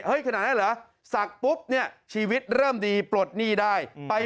ขนาดนั้นเหรอศักดิ์ปุ๊บเนี่ยชีวิตเริ่มดีปลดหนี้ได้ไป